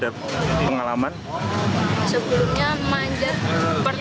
sebelumnya manjat pertama di indonesia